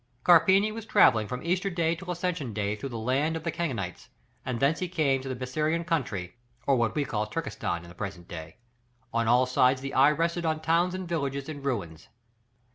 Carpini was travelling from Easter till Ascension Day through the land of the Kangites, and thence he came into the Biserium country, or what we call Turkestan in the present day; on all sides the eye rested on towns and villages in ruins.